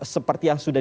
seperti yang sudah